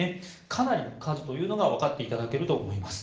かなりの数というのがわかっていただけると思います。